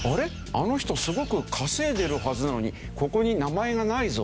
あの人すごく稼いでいるはずなのにここに名前がないぞ。